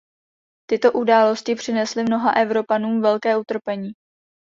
Tyto události přinesly mnoha Evropanům velké utrpení.